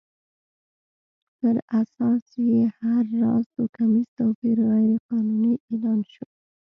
پر اساس یې هر راز توکمیز توپیر غیر قانوني اعلان شو.